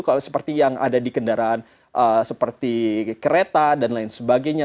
kalau seperti yang ada di kendaraan seperti kereta dan lain sebagainya